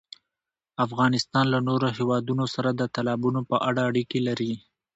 افغانستان له نورو هېوادونو سره د تالابونو په اړه اړیکې لري.